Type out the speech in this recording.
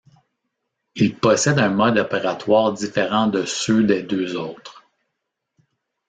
Il possède un mode opératoire différent de ceux des deux autres.